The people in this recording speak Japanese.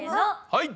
はい！